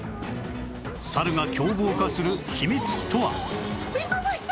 サルが凶暴化する秘密とは